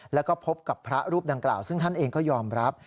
แล้วก็พบกับพระรูปดังกล่าวซึ่งท่านเองก็ยอมรับ